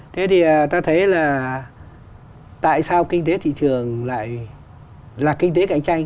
thế thì ta thấy là tại sao kinh tế thị trường lại là kinh tế cạnh tranh